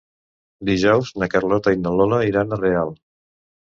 Dijous na Carlota i na Lola iran a Real.